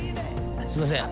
すいません。